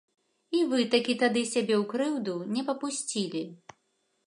І вы такі тады сябе ў крыўду не папусцілі.